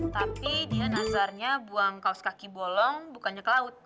tapi dia nazarnya buang kaos kaki bolong bukannya ke laut